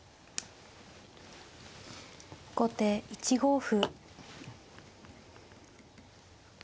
後手１五歩。